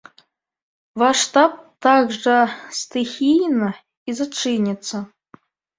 Ваш штаб так жа стыхійна і зачыніцца?